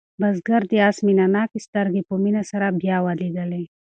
بزګر د آس مینه ناکې سترګې په مینه سره بیا ولیدلې.